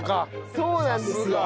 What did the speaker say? そうなんですよ！